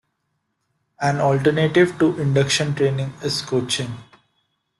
An alternative to Induction training is Coaching.